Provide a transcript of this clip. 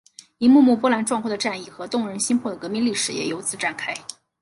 一幕幕波澜壮阔的战役和动人心魄的革命历史也由此展开。